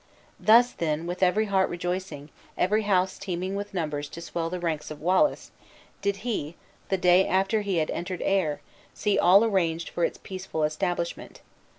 Thus, then, with every heart rejoicing, every house teeming with numbers to swell the ranks of Wallace, did he, the day after he had entered Ayr, see all arranged for its peaceful establishment.